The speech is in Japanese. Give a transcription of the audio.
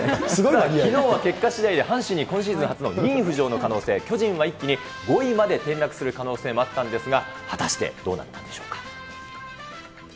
きのうは結果しだいで阪神に今シーズン初の２位浮上の可能性、巨人は一気に５位まで転落する可能性もあったんですが、果たしてどうなったんでしょうか。